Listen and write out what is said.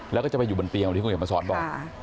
แล้วก็จะไปอยู่บนเตียงที่คุณเห็นมาสอนบอก